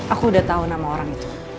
aku udah tahu nama orang itu